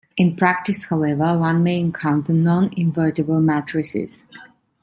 In practice however, one may encounter non-invertible matrices.